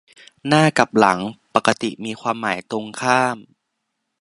"หน้า" กับ "หลัง" ปกติมีความหมายตรงข้าม